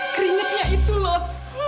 keringetnya itu lot